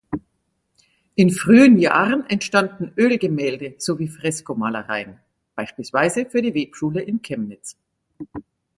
In frühen Jahren entstanden Ölgemälde sowie Freskomalereien, beispielsweise für die Webschule in Chemnitz.